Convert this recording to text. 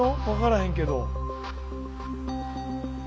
分からへんけど。